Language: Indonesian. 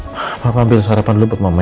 papa ambil sarapan dulu buat mama ya